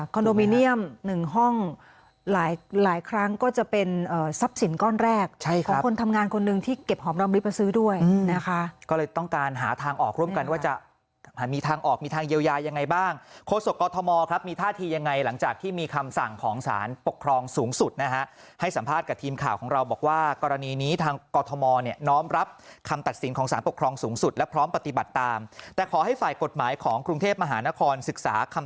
คอนโดมิเนียม๑ห้องหลายครั้งก็จะเป็นทรัพย์สินก้อนแรก